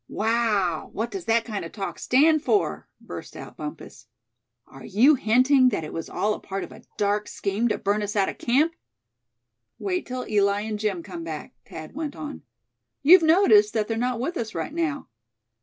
"Wow! what does that kind of talk stand for?" burst out Bumpus. "Are you hinting that it was all a part of a dark scheme to burn us out of camp?" "Wait till Eli and Jim come back," Thad went on. "You've noticed that they're not with us right now.